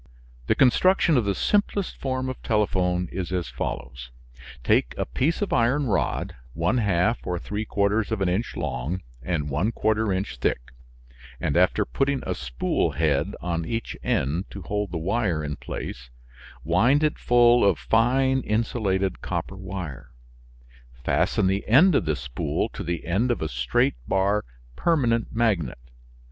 The construction of the simplest form of telephone is as follows: Take a piece of iron rod one half or three quarters of an inch long and one quarter inch thick, and after putting a spool head on each end to hold the wire in place wind it full of fine insulated copper wire; fasten the end of this spool to the end of a straight bar permanent magnet.